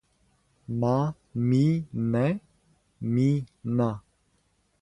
ма ми не ми на